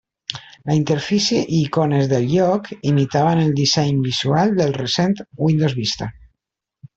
La interfície i icones del lloc imitaven el disseny visual del recent Windows Vista.